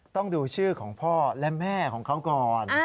ต้องดูชื่อของพ่อและแม่ของเขาก่อน